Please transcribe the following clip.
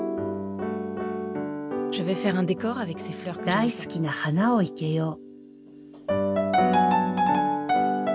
大好きな花を生けよう。